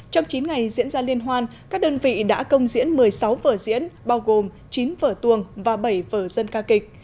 trong chín ngày diễn ra liên hoan các đơn vị đã công diễn một mươi sáu vở diễn bao gồm chín vở tuồng và bảy vở dân ca kịch